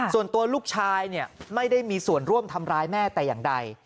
ส่วนตัวลูกชายไม่ได้มีส่วนร่วมทำร้ายแม่แต่อย่างใด